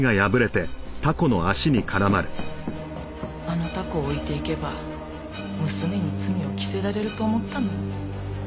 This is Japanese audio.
あのタコを置いていけば娘に罪を着せられると思ったのに。